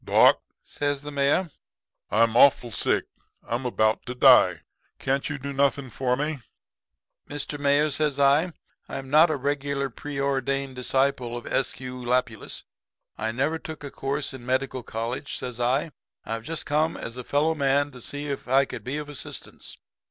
"'Doc,' says the Mayor, 'I'm awful sick. I'm about to die. Can't you do nothing for me?' "'Mr. Mayor,' says I, 'I'm not a regular preordained disciple of S. Q. Lapius. I never took a course in a medical college,' says I. 'I've just come as a fellow man to see if I could be of assistance.'